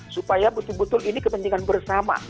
supaya betul betul ini kepentingan bersama